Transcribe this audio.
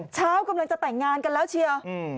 กำลังจะแต่งงานกันแล้วเชียว